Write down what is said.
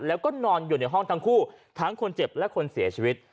แล้วก็นอนอยู่ในห้องทั้งคู่ทั้งคนเจ็บและคนเสียชีวิต